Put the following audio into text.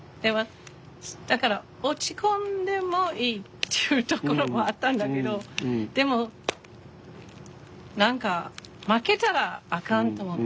だから落ち込んでもいいっていうところもあったんだけどでも何か負けたらあかんと思って。